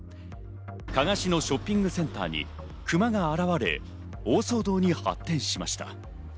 加賀市のショッピングセンターにクマが現れ、大騒動に発展しました。